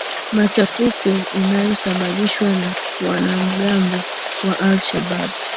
machafuko inayoshababishwa na wanamgambo wa al shabaab